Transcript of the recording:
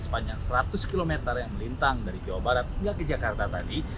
sepanjang seratus km yang melintang dari jawa barat hingga ke jakarta tadi